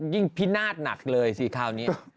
ยิ่งพินาฆ์หนักเลยซิคราวนี้